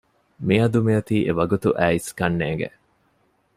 މިއަދު މިއޮތީ އެވަގުތު އައިއްސަ ކަންނޭނގެ